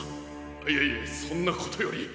いやいやそんなことより。